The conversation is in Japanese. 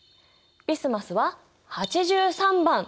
ビスマスは８３番。